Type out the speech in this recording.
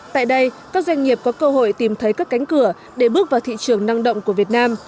tại đây các doanh nghiệp có cơ hội tìm thấy các cánh cửa để bước vào thị trường năng động của việt nam